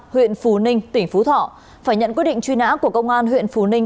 huyện phù ninh tỉnh phú thọ phải nhận quyết định truy nã của công an huyện phù ninh